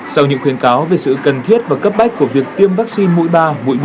sau những khuyến cáo về sự cần thiết và cấp bách của việc tiêm vaccine mũi ba mũi